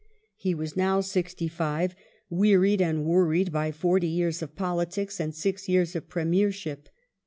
He was now sixty five, wearied and worried by forty years of politics and six years of Premiership.